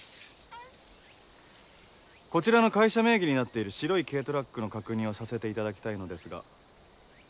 こちらの会社名義になっている白い軽トラックの確認をさせていただきたいのですが。